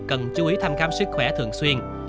cần chú ý thăm khám sức khỏe thường xuyên